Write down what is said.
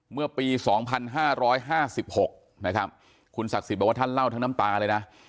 เมื่อปี๒๕๕๖นะครับคุณศักดิ์สิทธิ์บอกว่าท่านเล่าทั้งน้ำตาเลยนะ